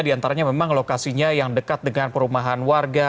di antaranya memang lokasinya yang dekat dengan perumahan warga